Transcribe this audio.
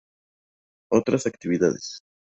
Otras Actividades.